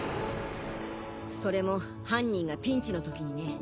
それも犯人がピンチの時にね。